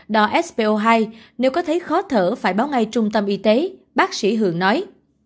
đo spo hai nếu có thấy khó thở phải báo ngay trung tâm y tế bác sĩ hường nói